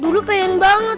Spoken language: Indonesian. dulu pengen banget